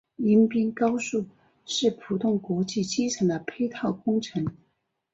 迎宾高速是浦东国际机场的配套工程。